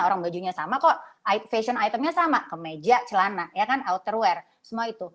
orang bajunya sama kok fashion itemnya sama kemeja celana outerwear semua itu